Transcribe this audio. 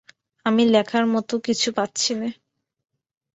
আমি লেখার মতো কিছু পাচ্ছি না।